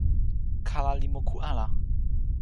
kala li moku ala.